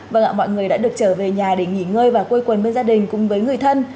vâng ạ mọi người đã được trở về nhà để nghỉ ngơi và quây quần bên gia đình cùng với người thân